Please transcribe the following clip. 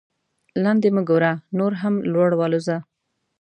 لاندې مه ګوره نور هم لوړ والوځه.